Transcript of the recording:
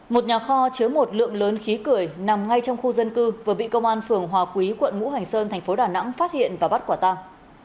một nhà kho chứa một lượng lớn khí cười nằm ngay trong khu dân cư vừa bị công an phường hòa quý quận ngũ hành sơn thành phố đà nẵng phát hiện và bắt quả tăng